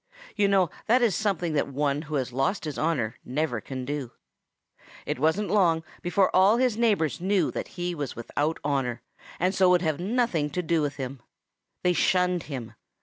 You know that is something that one who has lost his honor never can do. It wasn't long before all his neighbors knew that he was without honor, and so would have nothing to do with him. They shunned him.